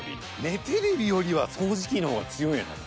目テレビよりは掃除機の方が強いんやない？